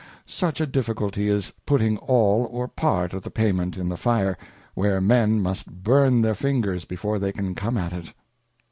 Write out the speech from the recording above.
Such a difficulty is putting all or part of the Payment in the Fire, where Men must burn their Fingers before they can come at it.